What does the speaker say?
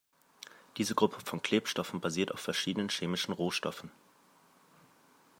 Diese Gruppe von Klebstoffen basiert auf verschiedenen chemischen Rohstoffen.